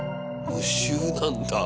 無臭なんだ。